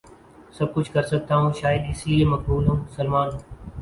سب کچھ کرسکتا ہوں شاید اس لیے مقبول ہوں سلمان